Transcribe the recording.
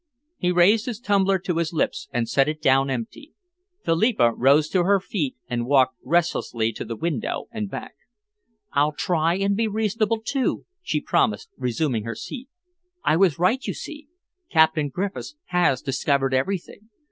He raised his tumbler to his lips and set it down empty. Philippa rose to her feet and walked restlessly to the window and back. "I'll try and be reasonable too," she promised, resuming her seat. "I was right, you see. Captain Griffiths has discovered everything.